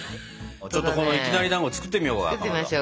ちょっとこのいきなりだんご作ってみようかかまど。